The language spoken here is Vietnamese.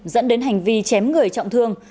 dẫn đến hành vi chém người trọng thương